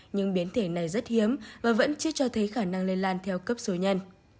những biến thể này rất hiếm và vẫn chưa cho thấy khả năng lây lan theo cấp số nhân